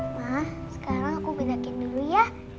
mah sekarang aku bedakin dulu ya